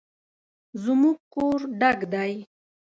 زموږ کور ډک دی